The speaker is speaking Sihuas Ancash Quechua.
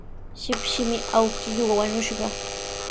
Shipshimi awkilluu wañushqa.